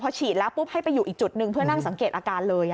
ฉีดแล้วปุ๊บให้ไปอยู่อีกจุดหนึ่งเพื่อนั่งสังเกตอาการเลย